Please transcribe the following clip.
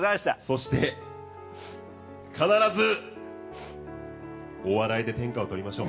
そして、必ずお笑いで天下をとりましょう。